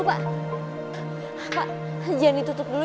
aduh yas gerbangnya mau ditutup lagi